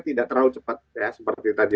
tidak terlalu cepat ya seperti tadi